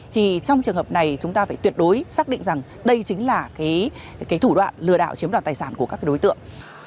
thì trong trường hợp này chúng ta phải tuyệt đối xác định rằng đây chính là cái thủ đoạn lừa đảo chiếm đoạt tài sản của các đối tượng